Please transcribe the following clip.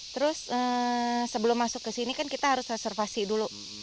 terus sebelum masuk ke sini kan kita harus reservasi dulu